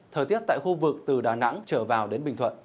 thời tiết tại khu vực từ đà nẵng trở vào đến bình thuận